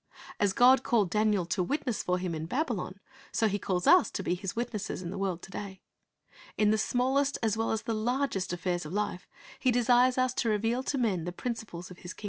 ' As God called Daniel to witness for Him in Babylon, so He calls us to be His witnesses in the world to da}'. In the smallest as well as the largest affairs of life He desires us to reveal to men the principles of His kingdom.